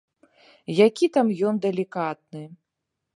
Які там ён далікатны!